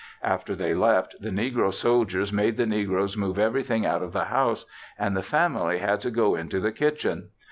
After they left, the negro soldiers made the negroes move everything out of the house, and the family had to go into the kitchen.